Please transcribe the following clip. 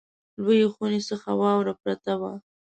لویې خونې څخه واوره پرته وه.